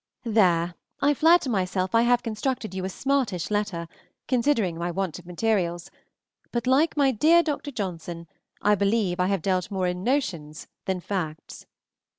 There, I flatter myself I have constructed you a smartish letter, considering my want of materials; but, like my dear Dr. Johnson, I believe I have dealt more in notions than facts.